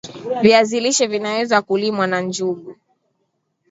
viazi lishe Vinaweza kuliwa nanjugu